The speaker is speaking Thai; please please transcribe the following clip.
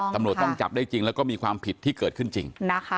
ตำรวจต้องจับได้จริงแล้วก็มีความผิดที่เกิดขึ้นจริง